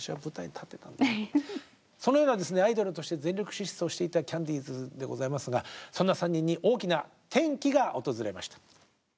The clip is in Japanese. そのようなアイドルとして全力疾走していたキャンディーズでございますがそんな３人に大きな転機が訪れました。